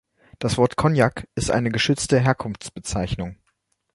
Das Wort Cognac ist eine geschützte Herkunftsbezeichnung.